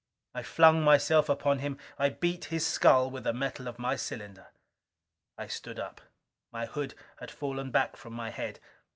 I flung myself upon him. I beat his skull with the metal of my cylinder. I stood up. My hood had fallen back from my head.